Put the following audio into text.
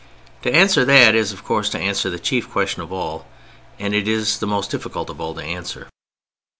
To answer that is, of course, to answer the chief question of all, and it is the most difficult of all to answer.